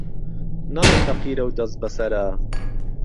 نهڵێی فهقيره و دهست به سەره